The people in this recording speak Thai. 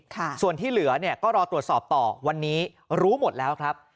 ส่วนที่เหลือเนี่ยก็รอตรวจสอบต่อวันนี้รู้หมดแล้วครับ